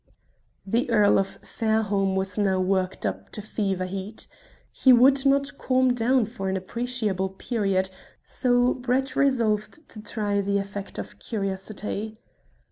The Earl of Fairholme was now worked up to fever heat. He would not calm down for an appreciable period, so Brett resolved to try the effect of curiosity.